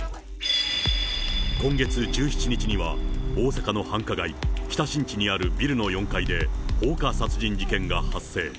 今月１７日には、大阪の繁華街、北新地にあるビルの４階で、放火殺人事件が発生。